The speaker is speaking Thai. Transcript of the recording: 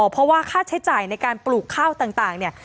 เพราะว่าค่าใช้จ่ายในการปลูกข้าวต่างเนี่ย